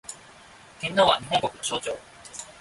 天皇は、日本国の象徴